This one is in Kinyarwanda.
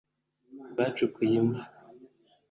bacukuye imva